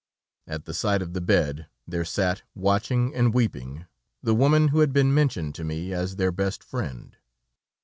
At the side of the bed there sat, watching and weeping, the woman who had been mentioned to me as their best friend.